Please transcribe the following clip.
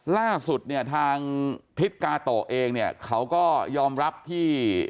ล่าสุดทางทิศกาโตะเองเขาก็ยอมรับที่